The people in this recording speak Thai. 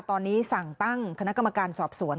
ตอนนี้สั่งตั้งคณะกรรมการสอบสวน